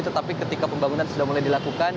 tetapi ketika pembangunan sudah mulai dilakukan